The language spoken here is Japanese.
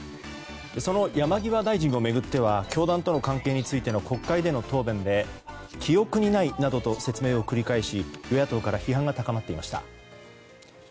その山際大臣を巡っては教団との関係について国会での答弁で記憶にないなどと説明を繰り返し与野党から批判が高まっていました。